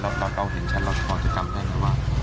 เราก็เห็นชั้นเราก็ลองจำได้ให้ว่า